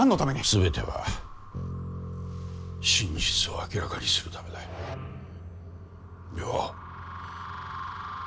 すべては真実を明らかにするためだ涼。